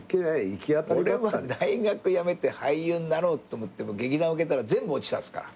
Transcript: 俺は大学辞めて俳優になろうと思って劇団受けたら全部落ちたんですから。